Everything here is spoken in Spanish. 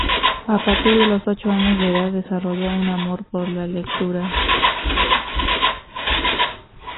A partir de los ocho años de edad desarrolló un amor por la lectura.